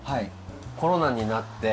コロナになって。